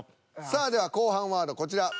さあでは後半ワードこちら。